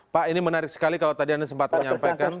pak ini menarik sekali kalau tadi anda sempat menyampaikan